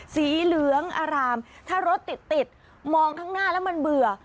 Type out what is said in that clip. สีเหลืองอารามถ้ารถติดติดมองข้างหน้าแล้วมันเบื่อ